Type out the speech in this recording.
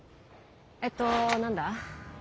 えっと何だ？